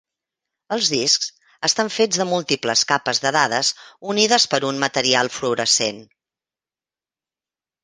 Els discs estan fets de múltiples capes de dades unides per un material fluorescent.